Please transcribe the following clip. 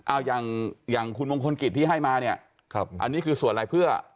เอาอย่างอย่างคุณมงคลกิจที่ให้มาเนี่ยครับอันนี้คือส่วนอะไรเพื่อ